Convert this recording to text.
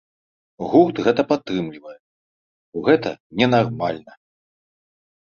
Гурт гэта падтрымлівае, бо гэта ненармальна.